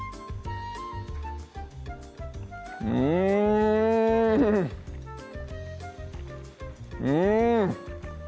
うんうん！